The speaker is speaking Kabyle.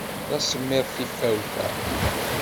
D asemmiḍ tifawt-a.